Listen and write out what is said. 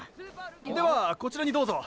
ではこちらにどうぞ。